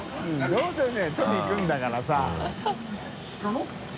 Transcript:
どうせね取りに行くんだからさ。